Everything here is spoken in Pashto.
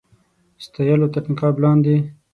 ستایلو تر نقاب لاندي.